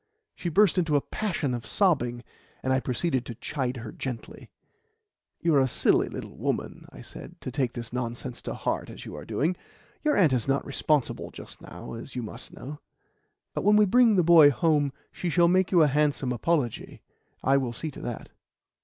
She burst into a passion of sobbing, and I proceeded to chide her gently. "You are a silly little woman," I said, "to take this nonsense to heart as you are doing. Your aunt is not responsible just now, as you must know; but when we bring the boy home she shall make you a handsome apology. I will see to that."